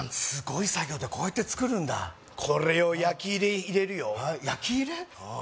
すごい作業だこうやって作るんだこれを焼き入れ入れるよ焼き入れ？